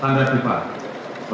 dan semakin standar tiba